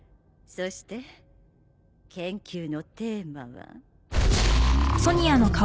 そして研究のテーマは。